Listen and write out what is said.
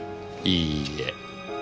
いいえ。